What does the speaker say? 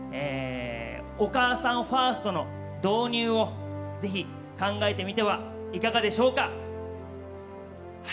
お母さんファーストの導入をぜひ考えてみてはいかがでしょうか。